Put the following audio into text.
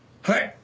はい。